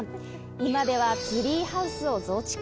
今ではツリーハウスを増築。